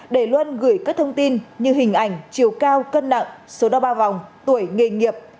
để luôn gửi các thông tin như hình ảnh chiều cao cân nặng số đo ba vòng tuổi nghề nghiệp